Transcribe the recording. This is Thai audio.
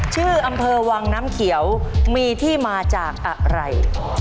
ชื่ออำเภอวังน้ำเขียวมีที่มาจากอะไร